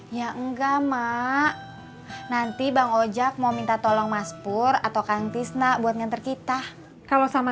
ya enggak mak nanti bang ojek mau minta tolong mas pur atau kang tisna buat ngantar kita kalau sama